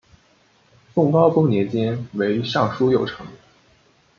宋高宗年间为尚书右丞。